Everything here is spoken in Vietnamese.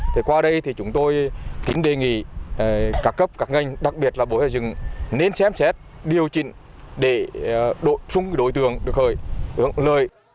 thì qua đây thì chúng tôi kính đề nghị các cấp các ngành đặc biệt là bộ xây dựng nên xem xét điều chỉnh để đổi tường được hưởng lời